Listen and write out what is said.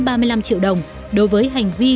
ba mươi năm triệu đồng đối với hành vi